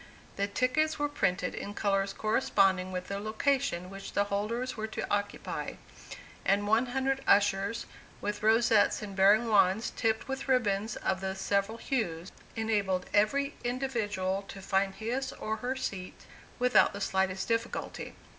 The tickets were printed in colors corresponding with the location which the holders were to occupy, and one hundred ushers, with rosettes and bearing wands tipped with ribbons of the several hues, enabled every individual to find his or her seat without the slightest difficulty.